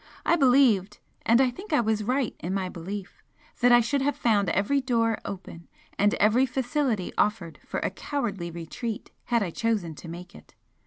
I believed, and I think I was right in my belief, that I should have found every door open, and every facility offered for a cowardly retreat had I chosen to make it.